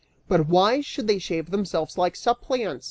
"But why should they shave themselves like suppliants?"